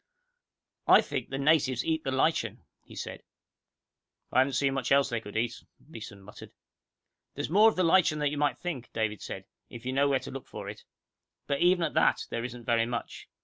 "I think the natives eat the lichen," he said. "I haven't seen much else they could eat," Beeson muttered. "There's more of the lichen than you might think," David said, "if you know where to look for it. But, even at that, there isn't very much.